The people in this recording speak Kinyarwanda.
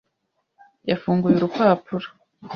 yafunguye urupapuro.